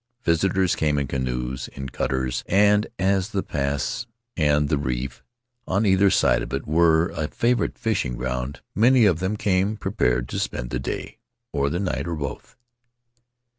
Visitors came in canoes, in cutters; and as the pass and the reef on either side of it were a favorite fishing ground many of them came prepared to spend the day, or the night, or both.